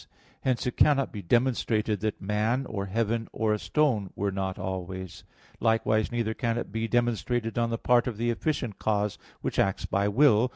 Hence it cannot be demonstrated that man, or heaven, or a stone were not always. Likewise neither can it be demonstrated on the part of the efficient cause, which acts by will.